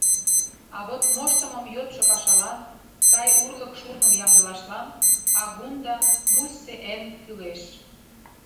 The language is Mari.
А вот моштымым йодшо пашалан, сай урлык шурным ямдылашлан агун да Муссе Энн кӱлеш.